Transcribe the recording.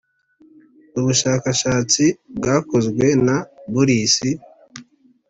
ubashakashatsi bwakozwe na boris